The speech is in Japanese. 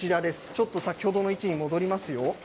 ちょっと先ほどの位置に戻りますよ。